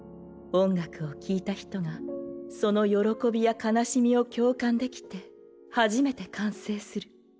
音楽を聴いた人がその喜びや悲しみを共感できて初めて完成する。